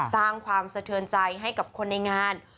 สร้างความสะเทือนใจให้กับคนในงาน